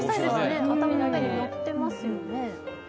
頭の上にのってますよね。